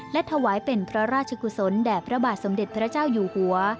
และถวายเป็นพระราชกุศลแด่พระบาทสมเด็จพระเจ้าอยู่หัว